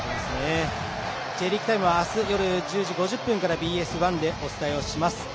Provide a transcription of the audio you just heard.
「Ｊリーグタイム」は明日夜１０時５０分からＢＳ１でお伝えします。